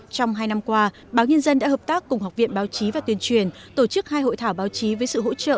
trong hai năm qua báo nhân dân đã hợp tác cùng học viện báo chí và tuyên truyền tổ chức hai hội thảo báo chí với sự hỗ trợ